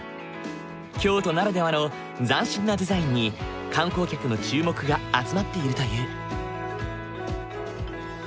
京都ならではの斬新なデザインに観光客の注目が集まっているという。